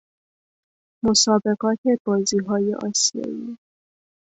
مسابقات بازی های آسیائی